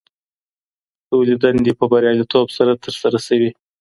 ټولې دندې په بریالیتوب سره ترسره سوي.